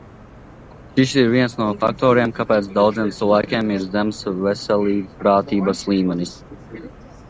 Šis ir viens no faktoriem, kāpēc daudziem cilvēkiem ir zems veselībpratības līmenis.